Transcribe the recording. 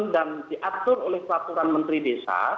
dan diatur oleh peraturan menteri desa